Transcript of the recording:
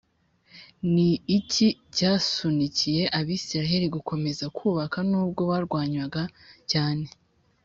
Ni iki cyasunikiye Abisirayeli gukomeza kubaka n ubwo barwanywaga cyane